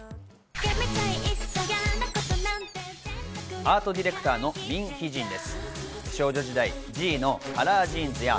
アートディレクターのミン・ヒジンです。